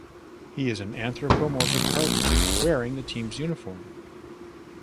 He is an anthropomorphic cardinal wearing the team's uniform.